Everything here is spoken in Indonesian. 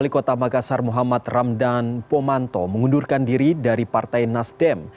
wali kota makassar muhammad ramdan pomanto mengundurkan diri dari partai nasdem